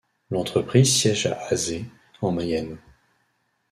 L'entreprise siège à Azé, en Mayenne.